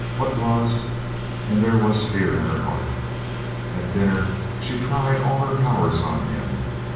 What was and there was fear in her heart. At dinner she tried all her powers on him.